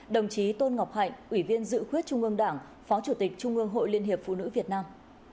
đồng chí tôn ngọc hạnh ủy viên dự khuyết trung ương đảng phó chủ tịch trung ương hội liên hiệp phụ nữ việt nam